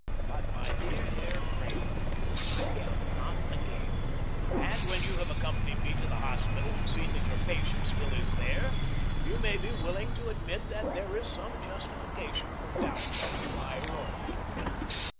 "But, my dear Herr Kramer, I am not the king; and when you have accompanied me to the hospital and seen that your patient still is there, you may be willing to admit that there is some justification for doubt as to my royalty."